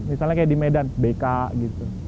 misalnya kayak di medan bk gitu